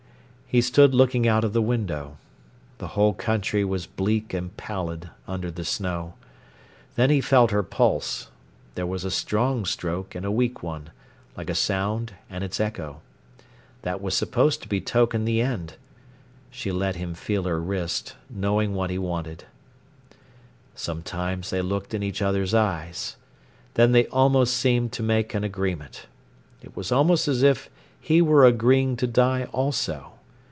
He stood looking out of the window. The whole country was bleak and pallid under the snow. Then he felt her pulse. There was a strong stroke and a weak one, like a sound and its echo. That was supposed to betoken the end. She let him feel her wrist, knowing what he wanted. Sometimes they looked in each other's eyes. Then they almost seemed to make an agreement. It was almost as if he were agreeing to die also.